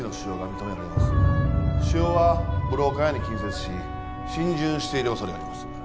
腫瘍はブローカ野に近接し浸潤している恐れがあります。